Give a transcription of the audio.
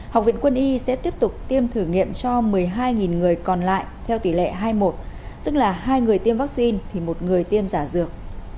học viện quân y sẽ tiếp tục tiêm thử nghiệm cho một mươi hai người còn lại theo tỷ lệ hai một tức là hai người tiêm vaccine thì một người tiêm giả dược